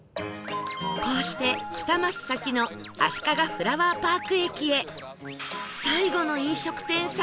こうして２マス先のあしかがフラワーパーク駅へ